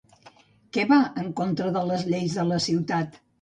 Què va en contra de les lleis de la ciutat?